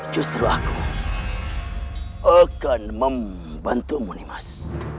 justru aku akan membantumu nimas